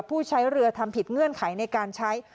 ผู้ใช้เรือทำผิดเงื่อนไขในการใช้